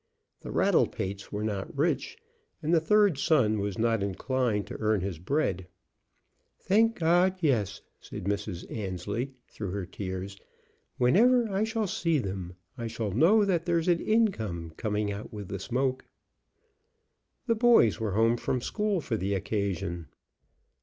The Rattlepates were not rich, and the third son was not inclined to earn his bread. "Thank God, yes!" said Mrs. Annesley, through her tears. "Whenever I shall see them I shall know that there's an income coming out with the smoke." The boys were home from school for the occasion.